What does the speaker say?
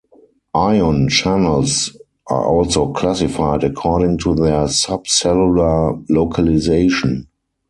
Ion channels are also classified according to their subcellular localization.